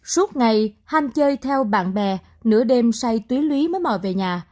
suốt ngày hành chơi theo bạn bè nửa đêm say túy lý mới mọi về nhà